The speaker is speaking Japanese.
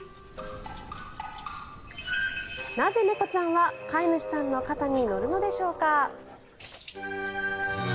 なぜ猫ちゃんは飼い主さんの肩に乗るのでしょうか。